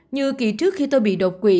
như kỳ trước khi tôi bị đột quỵ